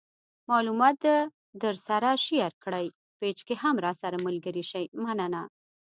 معلومات د درسره شیر کړئ پیج کې هم راسره ملګري شئ مننه